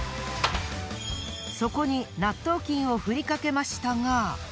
そこに納豆菌をふりかけましたが。